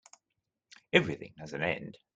Everything has an end.